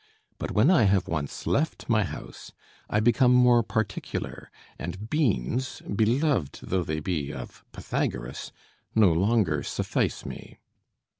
But when I have once left my house, I become more particular, and beans, beloved though they be of Pythagoras, no longer suffice me."